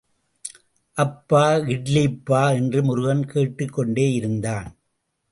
அப்பா இட்லிப்பா என்று முருகன் கேட்டுக் கொண்டேயிருந்தான்.